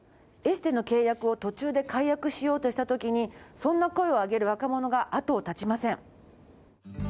エステの契約を途中で解約しようとした時にそんな声を上げる若者があとを絶ちません。